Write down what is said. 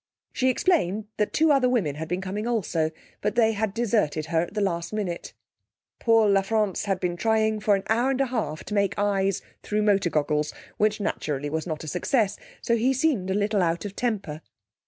She explained that two other women had been coming also, but they had deserted her at the last minute. Paul La France had been trying for an hour and a half to make eyes through motor goggles, which, naturally, was not a success; so he seemed a little out of temper.